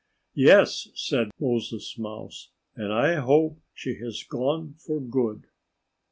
"Yes!" said Moses Mouse. "And I hope she has gone for good."